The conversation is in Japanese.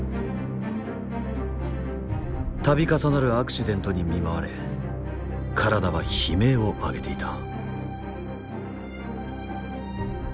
度重なるアクシデントに見舞われ体は悲鳴を上げていた。